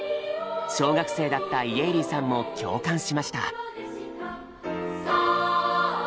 小学生だった家入さんも共感しました。